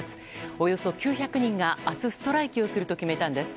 およそ９００人が、明日ストライキをすると決めたんです。